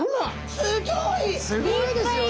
すごいですよね。